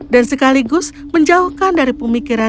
dan sekaligus menjauhkan dari pemikiran